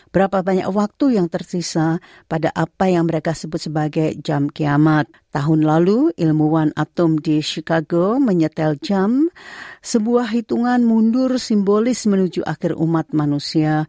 berita terkini mengenai penyelidikan covid sembilan belas di indonesia